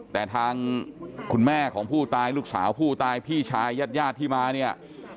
แต่ทางคุณแม่ของผู้ตายลูกสาวผู้ตายพี่ชายญาติญาติที่มาเนี่ย